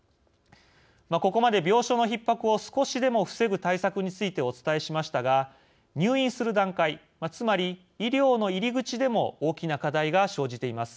ここまで病床のひっ迫を少しでも防ぐ対策についてお伝えしましたが入院する段階つまり医療の入り口でも大きな課題が生じています。